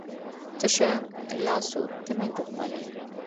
تشه لاسو ته مې دښمن یې.